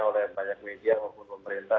oleh banyak media maupun pemerintah